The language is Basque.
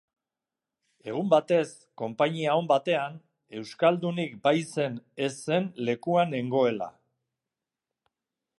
Egun batez, konpainia on batean, euskaldunik baizen ez zen lekuan nengoela.